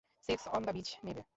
Sex on the beach নেবে।